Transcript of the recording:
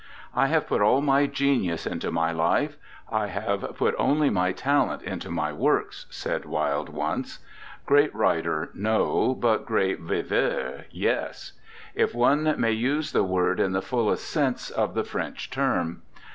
'I have put all my genius into my life; I have put only my talent into my works,' said Wilde once. Great writer, no, but great viveur, yes, if one may use the word in the fullest sense of the French term.